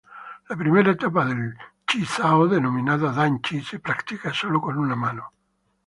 La primera etapa del Chi Sao, denominada Dan-Chi, se practica solo con una mano.